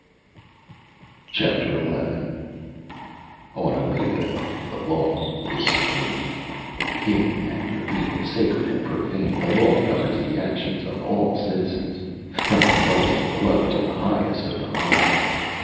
Chapter Eleven On Omega, the law is supreme. Hidden and revealed, sacred and profane, the law governs the actions of all citizens, from the lowest of the low to the highest of the high.